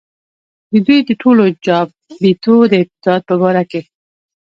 ددوي د ټولو چابېتو د تعداد پۀ باره کښې